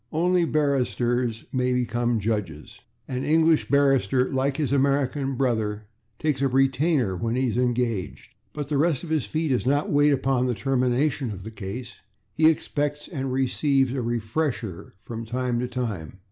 Only barristers may become judges. An English barrister, like his American brother, takes a /retainer/ when he is engaged. But the rest of his fee does not wait upon the termination of the case: he expects and receives a /refresher/ from time to time.